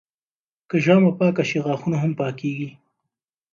که ژامه پاکه شي، غاښونه هم پاکېږي.